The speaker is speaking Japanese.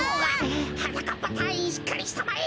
はなかっぱたいいんしっかりしたまえ！